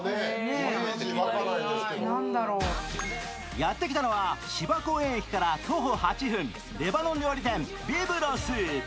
やって来たのは芝公園駅から徒歩８分、レバノン料理店ビブロス。